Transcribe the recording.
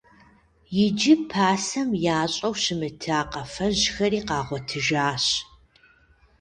Иджы пасэм ящӀэу щымыта къафэжьхэри къагъуэтыжащ.